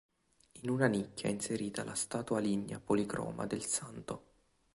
In una nicchia è inserita la statua lignea policroma del santo.